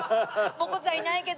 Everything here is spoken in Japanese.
もこちゃんいないけど。